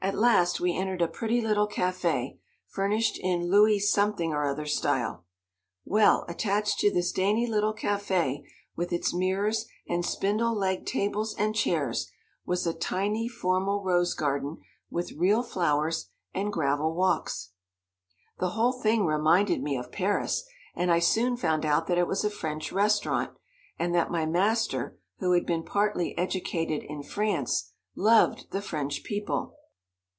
At last we entered a pretty little café, furnished in Louis something or other style. Well, attached to this dainty little café with its mirrors, and spindle legged tables and chairs, was a tiny, formal rose garden with real flowers and gravel walks. The whole thing reminded me of Paris, and I soon found out that it was a French restaurant, and that my master, who had been partly educated in France, loved the French people.